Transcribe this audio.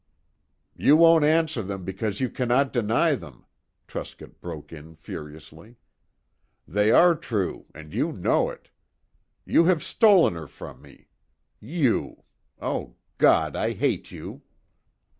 "You won't answer them because you cannot deny them!" Truscott broke in furiously. "They are true, and you know it. You have stolen her from me. You! Oh, God, I hate you!"